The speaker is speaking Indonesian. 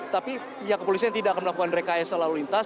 tapi ya kepolisian tidak akan melakukan rekaya selalu lintas